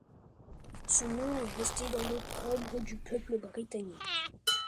Son nom est resté dans l’opprobre du peuple britannique.